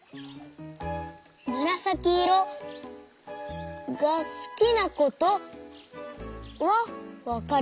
むらさきいろがすきなことはわかりました。